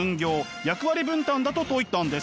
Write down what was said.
役割分担だと説いたんです。